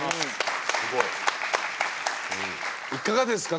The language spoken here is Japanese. いかがですか？